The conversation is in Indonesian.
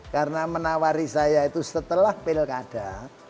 karena menawari saya itu setelah pilkada